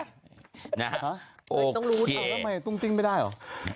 แล้วต้องรู้ทำไมตุ้งติ้งไปได้หรอ